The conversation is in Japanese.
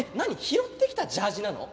拾ってきたジャージーなの？